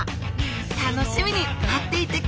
楽しみに待っていてくださいね！